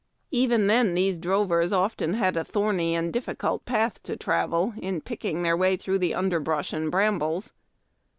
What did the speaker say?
Even then these drovers often had a thorny and difficult path to travel in picking their way through underbrush and brambles.